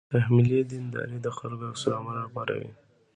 تحمیلي دینداري د خلکو عکس العمل راپاروي.